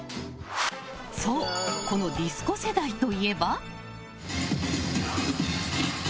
そうこのディスコ世代といえば。